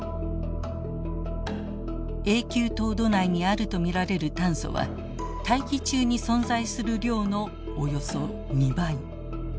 永久凍土内にあると見られる炭素は大気中に存在する量のおよそ２倍。